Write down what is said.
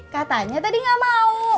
katanya tadi gak mau